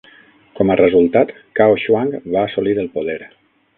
Com a resultat, Cao Shuang va assolir el poder.